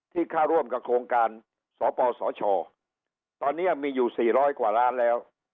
ที่ค่าร่วมกับโครงการสปสชตอนเนี้ยมีอยู่สี่ร้อยกว่าร้านแล้ว